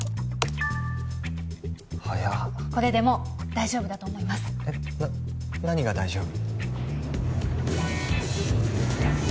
早っこれでもう大丈夫だと思いますえっな何が大丈夫？